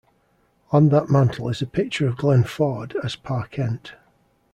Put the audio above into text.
On that mantel is a picture of Glenn Ford as Pa Kent.